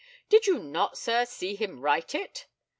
Did you not, sir, see him write it?